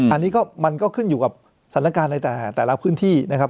อันนี้ก็มันก็ขึ้นอยู่กับสถานการณ์ในแต่ละพื้นที่นะครับ